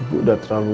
ibu mengurus kamu